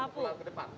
pukulan ke depan